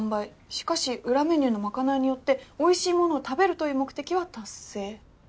しかし裏メニューのまかないによっておいしいものを食べるという目的は達成。